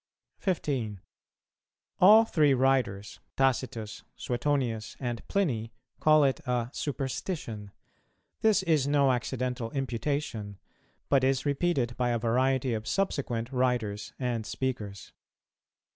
15. All three writers, Tacitus, Suetonius, and Pliny, call it a "superstition;" this is no accidental imputation, but is repeated by a variety of subsequent writers and speakers.